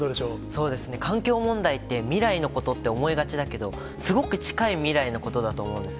そうですね、環境問題って、未来のことって思いがちだけど、すごく近い未来のことだと思うんです。